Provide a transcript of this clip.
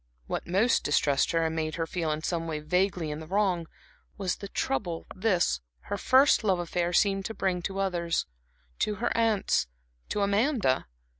What most distressed her, and made her feel in some way vaguely in the wrong, was the trouble this, her first love affair, seemed to bring to others; to her aunts, to Amanda.